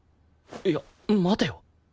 いや待てよ